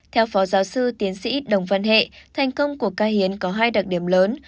theo phó giáo sư tiến sĩ đồng văn hệ thành công của ca hiến có hai đặc điểm lớn